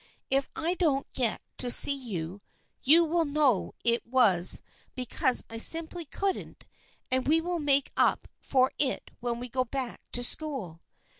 If I don't get to see you, you will know it was be cause I simply couldn't, and we will make up for it when we go back to school."